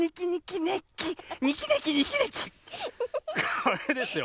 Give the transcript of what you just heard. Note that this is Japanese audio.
これですよ。